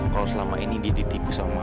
kalau selama ini dia ditipu sama